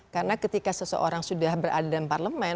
karena ketika seseorang sudah berada di parlemen